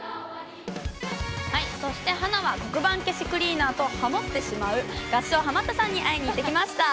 そして私は黒板消しクリーナーとハモってしまう合唱ハマったさんに会いに行ってきました。